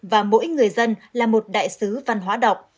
và mỗi người dân là một đại sứ văn hóa đọc